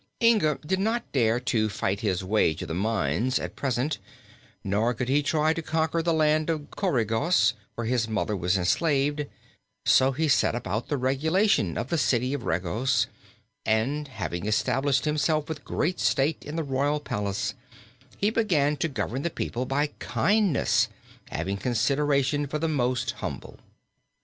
Inga did not dare to fight his way to the mines, at present, nor could he try to conquer the Island of Coregos, where his mother was enslaved; so he set about the regulation of the City of Regos, and having established himself with great state in the royal palace he began to govern the people by kindness, having consideration for the most humble.